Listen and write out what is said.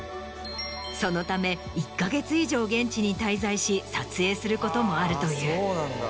そのため１か月以上現地に滞在し撮影することもあるという。